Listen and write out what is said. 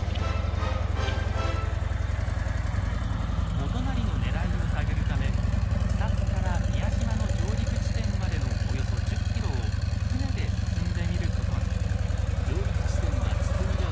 元就のねらいを探るため草津から宮島の上陸地点までのおよそ１０ｋｍを船で進んでみることに。